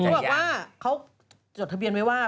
เขาบอกว่าเขาจดทะเบียนไว้ว่า